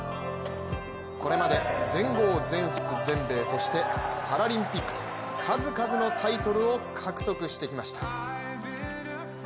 これまで全豪、全仏、全米そしてパラリンピックと、数々のタイトルを獲得してきました。